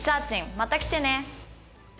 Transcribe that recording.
また来てね